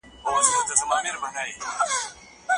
دا کتاب د وخت په ارزښت پوهیدل اسانه کوي.